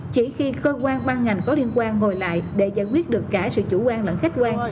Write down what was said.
chỉ khi cơ quan ban ngành có liên quan ngồi lại để giải quyết được cả sự chủ quan lẫn khách quan